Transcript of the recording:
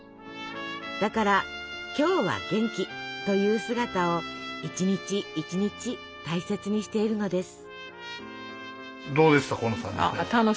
だから「今日は元気」という姿を一日一日大切にしているのです。